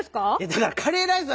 だから「カレーライス」